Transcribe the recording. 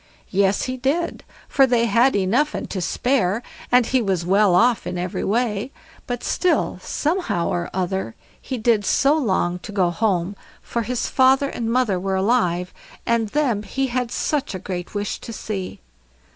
Yes, he did, for they had enough and to spare, and he was well off in every way, but still somehow or other he did so long to go home, for his father and mother were alive, and them he had such a great wish to see.